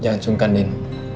jangan sungkan din